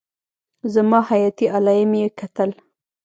زما حياتي علايم يې کتل.